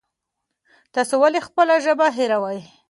تاسو ولې خپله ژبه هېروئ؟